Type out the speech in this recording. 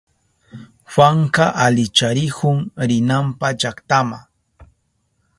Juanka alicharihun rinanpa llaktama.